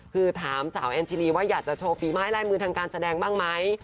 คือถามสาวแอนชิลีว่าอยากจะโชว์ฝีไม้ลายมือทางการแสดงบ้างไหม